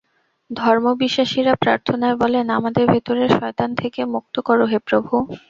ধর্মবিশ্বাসীরা প্রার্থনায় বলেন, আমাদের ভেতরের শয়তান থেকে মুক্ত করো হে প্রভু।